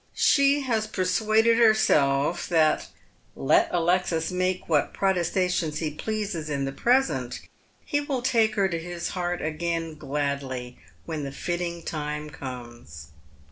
She has persuaded herself that let Alexis make what protestations he pleases in the present, he win take her to his heart again gladly when the fitting time comes.